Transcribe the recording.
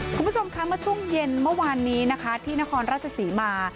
คุณผู้ชมคะเมื่อช่วงเย็นเมื่อวานนี้นะคะที่นครราชศรีมา